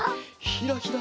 ひらひら！